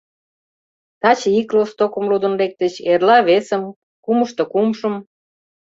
Таче ик лостыкым лудын лектыч, эрла — весым, кумышто — кумшым.